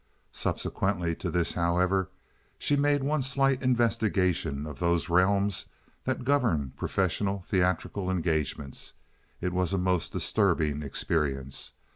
Subsequent to this, however, she made one slight investigation of those realms that govern professional theatrical engagements. It was a most disturbing experience.